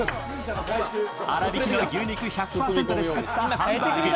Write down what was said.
あらびきの牛肉１００％で作ったハンバーグ。